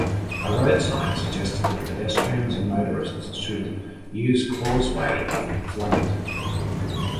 A road sign suggests that pedestrians and motorists should "Use causeway if flooded".